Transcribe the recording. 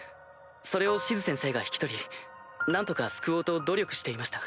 それをシズ先生が引き取り何とか救おうと努力していました。